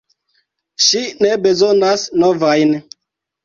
Ŝi ne bezonas novajn!